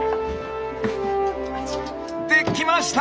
できました！